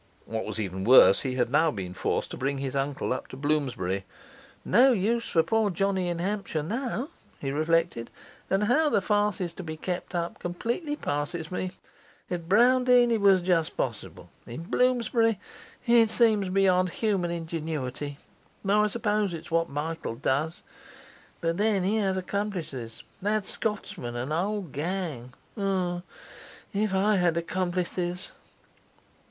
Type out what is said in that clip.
What was even worse, he had now been forced to bring his uncle up to Bloomsbury. 'No use for poor Johnny in Hampshire now,' he reflected. 'And how the farce is to be kept up completely passes me. At Browndean it was just possible; in Bloomsbury it seems beyond human ingenuity though I suppose it's what Michael does. But then he has accomplices that Scotsman and the whole gang. Ah, if I had accomplices!